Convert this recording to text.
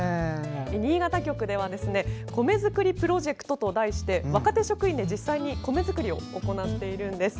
新潟局では米作りプロジェクトと題して若手職員が実際に米作りを行っているんです。